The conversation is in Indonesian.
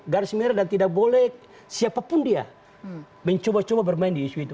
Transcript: garis merah dan tidak boleh siapapun dia mencoba coba bermain di isu itu